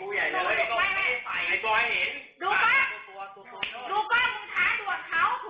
ทุกคนทักษาย้ายมาก